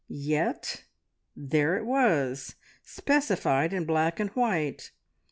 Yet there it was, specified in black and white.